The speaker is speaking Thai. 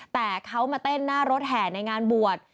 แต่เขามาเต้นหน้ารถแห่ในงานบวช